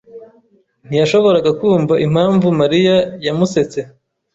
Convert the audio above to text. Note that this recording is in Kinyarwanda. ntiyashoboraga kumva impamvu Mariya yamusetse.